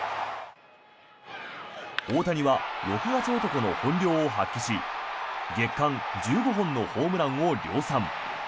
大谷は６月男の本領を発揮し月間１５本のホームランを量産。